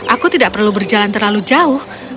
aku tidak perlu berjalan terlalu jauh